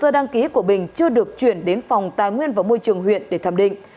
đăng ký của bình chưa được chuyển đến phòng tài nguyên và môi trường huyện để thẩm định